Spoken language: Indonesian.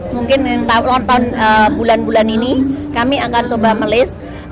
mungkin tahun bulan bulan ini kami akan coba melis